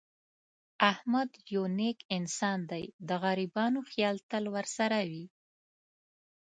احمد یو نېک انسان دی. د غریبانو خیال تل ورسره وي.